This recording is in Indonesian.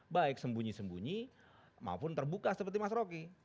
baik sembunyi sembunyi maupun terbuka seperti mas rocky